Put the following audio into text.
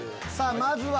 まずは。